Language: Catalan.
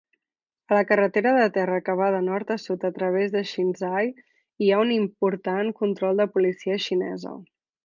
A la carretera de terra que va de nord a sud a través de Xinzhai hi ha un important control de policia xinesa.